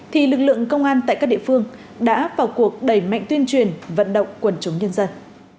thì lực lượng công an tại các địa phương đã vào cuộc đẩy mạnh tuyên truyền vận động quần chúng nhân dân